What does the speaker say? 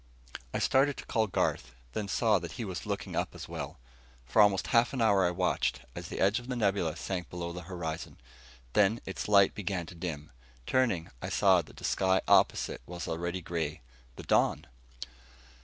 I started to call Garth, then saw that he was looking up as well. For almost half an hour I watched, as the edge of the nebula sank below the horizon. Then its light began to dim. Turning, I saw that the sky opposite was already gray. The dawn!